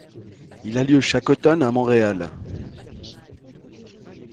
Il a lieu chaque automne à Montréal.